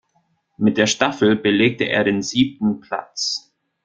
Mit der Staffel belegte er den siebten Platz.